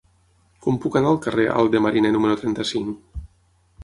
Com puc anar al carrer Alt de Mariner número trenta-cinc?